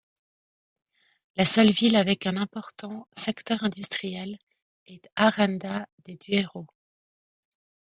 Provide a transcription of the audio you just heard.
La seule ville avec un important secteur industriel est Aranda de Duero.